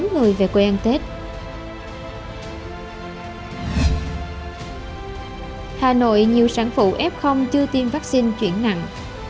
hà nội nhiều sản phụ f chưa tiêm vaccine chuyển nặng